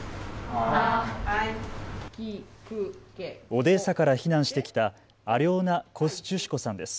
オデーサから避難してきたアリョーナ・コスチュシュコさんです。